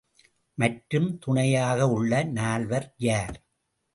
மற்றும் துணையாக உள்ள நால்வர் யார்?